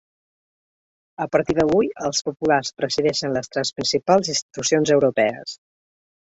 A partir d’avui, els populars presideixen les tres principals institucions europees.